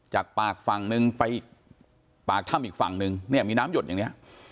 จากปากฝั่งนึงไปอีกปากถ้ำอีกฝั่งนึงเนี่ยมีน้ำหยดอย่างนี้